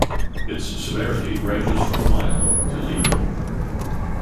Its severity ranges from mild to lethal.